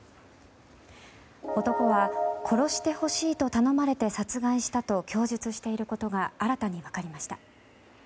男は、殺してほしいと頼まれて殺害したと供述していることが新たに分かりました。